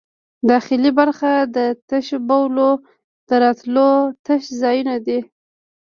داخلي برخه د تشو بولو د راټولولو تش ځایونه دي.